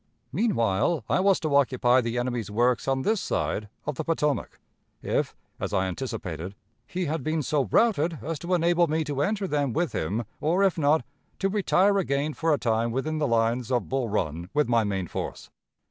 "Meanwhile, I was to occupy the enemy's works on this side of the Potomac, if, as I anticipated, he had been so routed as to enable me to enter them with him or, if not, to retire again for a time within the lines of Bull Run with my main force.